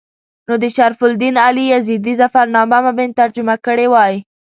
نو د شرف الدین علي یزدي ظفرنامه به مې ترجمه کړې وای.